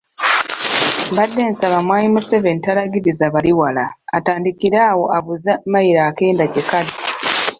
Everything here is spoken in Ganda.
Mbadde nsaba mwami Museveni talagiriza bali wala atandikire awo abuuze mayiro akenda gye kali.